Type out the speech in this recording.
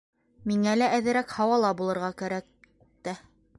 Миңә лә әҙерәк һауала булырға кәрәк тә...